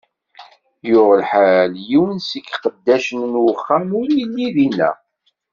Yuɣ lḥal, yiwen seg iqeddacen n uxxam ur illi dinna.